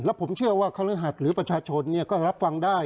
แล้วผมเชื่อว่าหรือประชาชนเนี่ยก็รับฟังได้